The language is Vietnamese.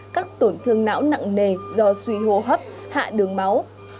các tổn thương não nặng nề do suy hô hấp hạ đường máu